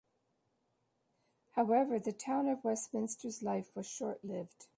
However, the Town of Westminster's life was short-lived.